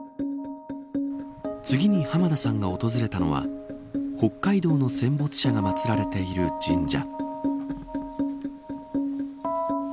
次に浜田さんが訪れたのは北海道の戦没者が祭られている神社。